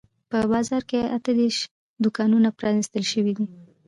په بازار کې اته دیرش دوکانونه پرانیستل شوي دي.